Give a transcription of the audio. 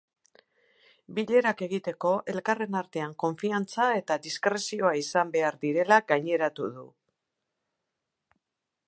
Bilerak egiteko, elkarren artean konfiantza eta diskrezioa izan behar direla gaineratu du.